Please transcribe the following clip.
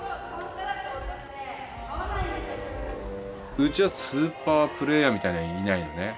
うちはスーパープレーヤーみたいのはいないよね。